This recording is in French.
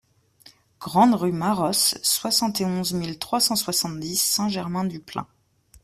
Grande Rue Marosse, soixante et onze mille trois cent soixante-dix Saint-Germain-du-Plain